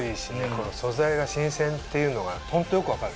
この素材が新鮮っていうのがホントよく分かる。